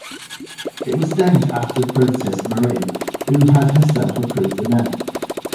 It was named after Princess Marie who had herself approved the name.